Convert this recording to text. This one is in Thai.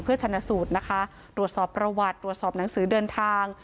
ชนะสูตรนะคะตรวจสอบประวัติตรวจสอบหนังสือเดินทาง